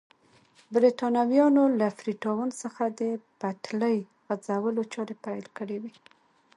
برېټانویانو له فري ټاون څخه د پټلۍ غځولو چارې پیل کړې وې.